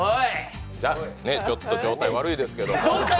ちょっと状態悪いですけど。